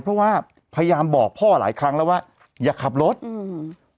เพราะว่าพยายามบอกพ่อหลายครั้งแล้วว่าอย่าขับรถอืม